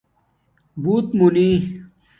بݸت مُونی